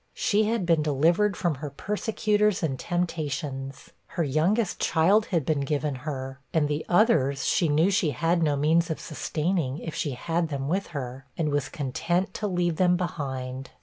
She had been delivered from her persecutors and temptations, her youngest child had been given her, and the others she knew she had no means of sustaining if she had them with her, and was content to leave them behind.